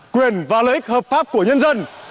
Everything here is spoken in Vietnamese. quyền và lợi ích hợp pháp của nhân dân